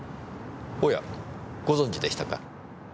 おやご存じでしたか。